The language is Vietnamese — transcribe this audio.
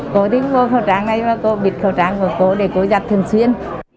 cô đi vô khẩu trang này mà cô bịt khẩu trang của cô để cô giặt thường xuyên